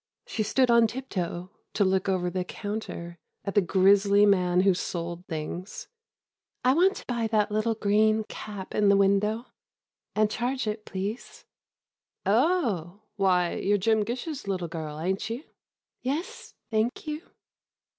She stood on tiptoe, to look over the counter, at the grisly man who sold things. "I want to buy that little green cap in the window—and charge it, please." "Oh—why, you're Jim Gish's little girl, ain't you?" "Yes, thank you."